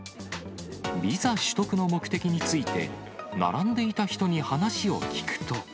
ビザ取得の目的について、並んでいた人に話を聞くと。